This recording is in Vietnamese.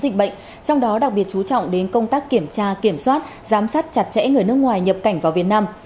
dịch bệnh trong đó đặc biệt chú trọng đến công tác kiểm tra kiểm soát giám sát chặt chẽ người nước ngoài nhập cảnh vào việt nam